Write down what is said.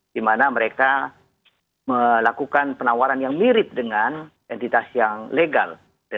di mana mereka melakukan penawaran yang mirip dengan entitas yang legal